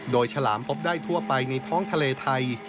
โดยฉลามพบได้ทั่วไปในท้องทะเลไทย